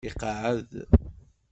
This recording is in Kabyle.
Iqeεεed.